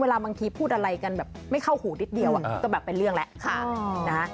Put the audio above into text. บางทีพูดอะไรกันแบบไม่เข้าหูนิดเดียวก็แบบเป็นเรื่องแล้ว